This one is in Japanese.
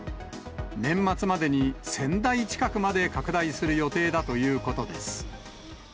年末までに１０００台近くまで拡大する予定だということです。